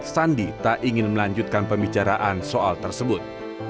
sandi tak ingin melanjutkan pembicaraan soal tersebut